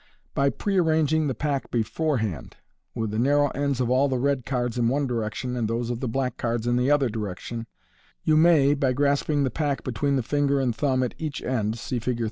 By pre arranging the pack beforehand, with the narrow ends of all the red cards in one direction, and those of the black cards in the other direction, you may, by grasping the pack between the ringer and thumb at each end (see Fig.